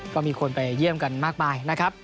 ก็มีคนไปเยี่ยมกันมากมายนะครับ